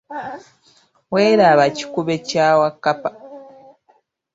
Weeraba kikube kya Wakkapa.